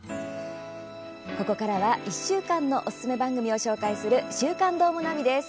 ここからは１週間のおすすめ番組を紹介する「週刊どーもナビ」です。